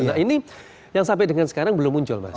nah ini yang sampai dengan sekarang belum muncul mas